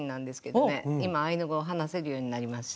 今アイヌ語を話せるようになりました。